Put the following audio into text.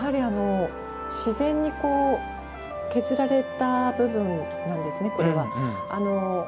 自然に削られた部分なんですね、これは。